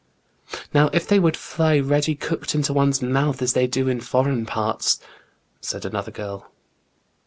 Now, if they would fly ready cooked into one's mouth, as they do in foreign parts !" said another girl.